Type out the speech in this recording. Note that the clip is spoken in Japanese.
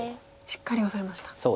しっかりオサえました。